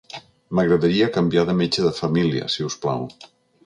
M'agradaria canviar de metge de família si us plau.